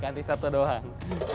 ganti satu doang